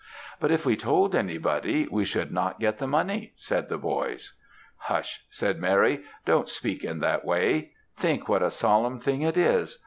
"'But if we told anybody, we should not get the money,' said the boys. "'Hush!' said Mary, 'Don't speak in that way; think what a solemn thing it is.